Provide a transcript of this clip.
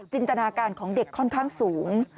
ตนาการของเด็กค่อนข้างสูง